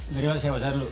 dari mas hiawazah dulu